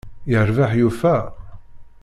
Yerbeḥ yufa!